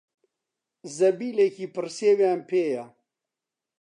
زەمبیلێکی پڕ سێویان پێیە.